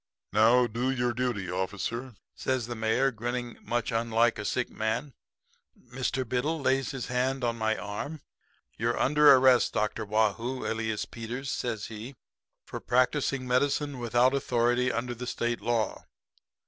"'Now do your duty, officer,' says the mayor, grinning much unlike a sick man. "Mr. Biddle lays his hand on my arm. "'You're under arrest, Dr. Waugh hoo, alias Peters,' says he, 'for practising medicine without authority under the State law.'